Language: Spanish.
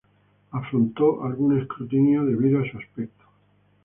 Afrontó algún escrutinio debido a su aspecto.